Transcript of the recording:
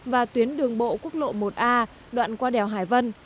và tuyến đường bộ quốc lộ một a đoạn qua đèo hải vân